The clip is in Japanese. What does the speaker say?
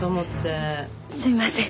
すみません。